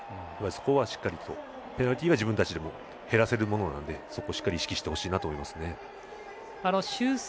そこはしっかりペナルティーは自分たちでも減らせるものなのでそこをしっかり意識してほしいと思います。